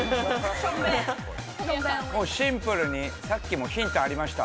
シンプルに、さっきもヒントありました。